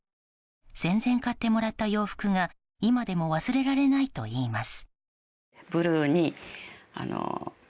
戦前買ってもらった洋服が今でも忘れられないといいます。